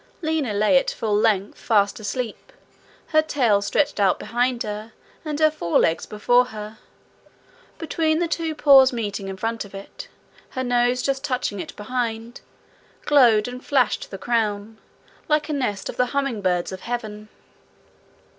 Lina lay at full length, fast asleep, her tail stretched out straight behind her and her forelegs before her: between the two paws meeting in front of it, her nose just touching it behind, glowed and flashed the crown, like a nest of the humming birds of heaven.